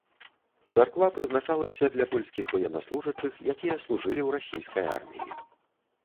Царква прызначалася для польскіх ваеннаслужачых, якія служылі ў расійскай арміі.